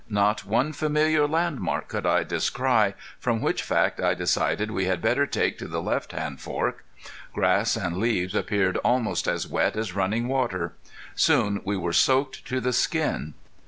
Not one familiar landmark could I descry, from which fact I decided we had better take to the left hand fork. Grass and leaves appeared almost as wet as running water. Soon we were soaked to the skin.